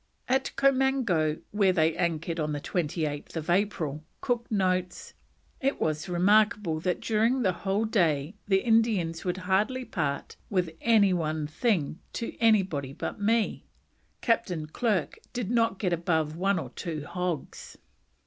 At Comango, where they anchored on 28th April, Cook notes: "It was remarkable that during the whole day the Indians would hardly part with any one thing to anybody but me; Captain Clerke did not get above one or two hogs."